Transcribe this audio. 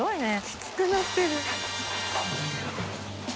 きつくなってる。